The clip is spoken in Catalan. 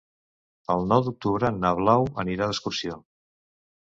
El nou d'octubre na Blau anirà d'excursió.